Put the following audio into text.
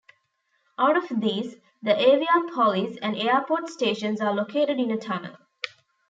Out of these, the Aviapolis and Airport stations are located in a tunnel.